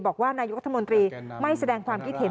บอกว่านายกรัฐมนตรีไม่แสดงความคิดเห็น